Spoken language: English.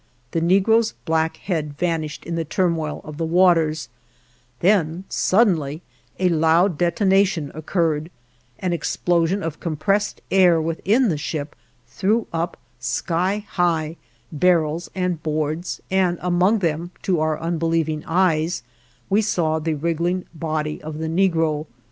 The negro's black head vanished in the turmoil of the waters; then suddenly a loud detonation occurred; an explosion of compressed air within the ship threw up, sky high, barrels and boards, and among them, to our unbelieving eyes, we saw the wriggling body of the negro.